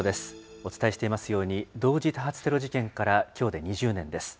お伝えしていますように、同時多発テロ事件からきょうで２０年です。